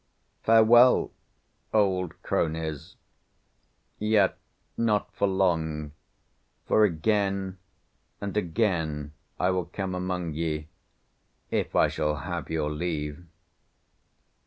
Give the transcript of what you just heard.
Farewell, old cronies, yet not for long, for again and again I will come among ye, if I shall have your leave.